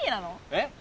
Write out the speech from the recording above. えっ？